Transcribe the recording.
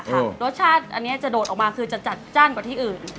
ให้เหนือจ๋าครับรสชาติอันเนี้ยจะโดดออกมาคือจะจัดจ้านกว่าที่อื่น